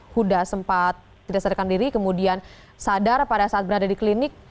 huda sempat tidak sadarkan diri kemudian sadar pada saat berada di klinik